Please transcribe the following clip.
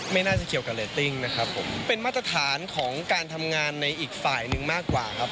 ไม่น่าจะเกี่ยวกับเรตติ้งนะครับผมเป็นมาตรฐานของการทำงานในอีกฝ่ายหนึ่งมากกว่าครับ